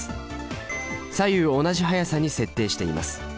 左右同じ速さに設定しています。